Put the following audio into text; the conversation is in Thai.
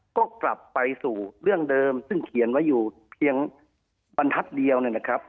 ก็กลับไปสู่เรื่องเดิมซึ่งเขียนไว้อยู่เพียงบรรทัศน์เดียวนะครับ